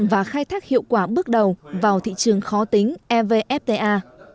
và khai thác hiệu quả bước đầu vào thị trường khó tính evfta